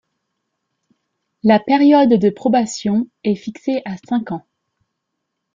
La période de probation est fixée à cinq ans.